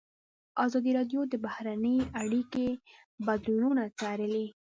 ازادي راډیو د بهرنۍ اړیکې بدلونونه څارلي.